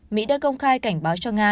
mỹ đã công khai cảnh báo cho nga